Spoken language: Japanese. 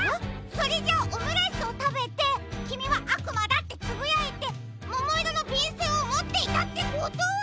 それじゃあオムライスをたべて「きみはあくまだ！」ってつぶやいてももいろのびんせんをもっていたってことは。